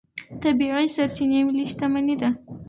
طبیعي سرچینې ملي شتمني ده.